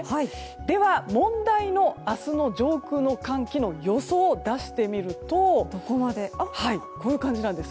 では、問題の明日の上空の寒気の予想を出してみるとこういう感じなんです。